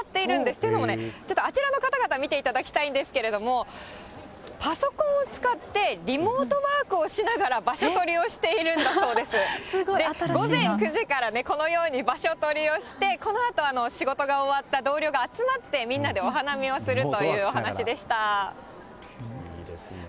というのも、ちょっとあちらの方々見ていただきたいんですけれども、パソコンを使ってリモートワークをしながら、場所取りをしているすごい、午前９時からこのように場所取りをして、このあと、仕事が終わった同僚が集まって、みんなでお花見をするというお話でした。